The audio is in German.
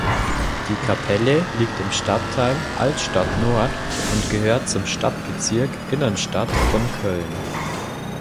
Die Kapelle liegt im Stadtteil Altstadt-Nord und gehört zum Stadtbezirk Innenstadt von Köln.